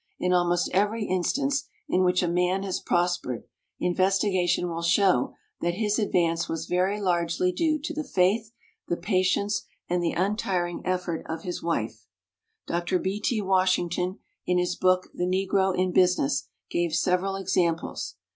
In almost every instance in which a man has prospered, in vestigation will show that his advance was very largely due to the faith, the patience, and the untiring effort of his wife. Dr. B. T. Washington, in his book The Negro in Business, gave several examples.